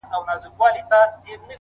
دا ته څنګه راپسې وې په تیاره کي.!